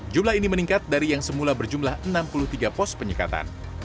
jumlah ini meningkat dari yang semula berjumlah enam puluh tiga pos penyekatan